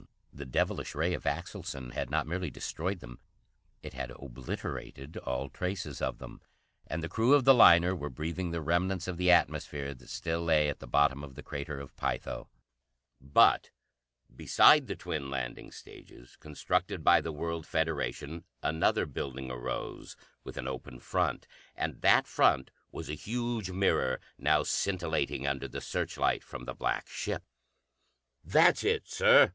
The devilish ray of Axelson had not merely destroyed them, it had obliterated all traces of them, and the crew of the liner were breathing the remnants of the atmosphere that still lay at the bottom of the Crater of Pytho. But beside the twin landing stages, constructed by the World Federation, another building arose, with an open front. And that front was a huge mirror, now scintillating under the searchlight from the black ship. "That's it, Sir!"